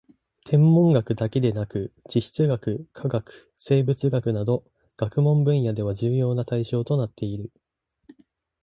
天文学だけでなく地質学・化学・生物学などの学問分野では重要な対象となっている